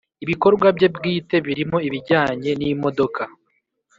ibikorwa bye bwite birimo ibijyanye n’imodoka